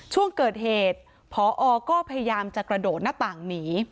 ช่วงเกิดเหตุพอก็พยายามจะกระโดดหน้าต่างหนี